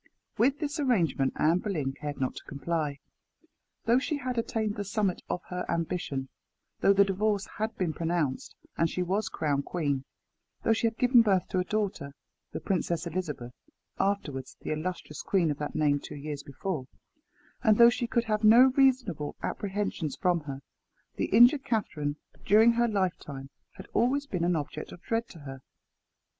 With this arrangement Anne Boleyn cared not to comply. Though she had attained the summit of her ambition; though the divorce had been pronounced, and she was crowned queen; though she had given birth to a daughter the Princess Elizabeth, afterwards the illustrious queen of that name two years before; and though she could have no reasonable apprehensions from her, the injured Catherine, during her lifetime, had always been an object of dread to her.